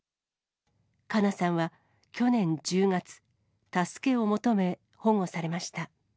かなさんは、去年１０月、助けを求め、保護されました。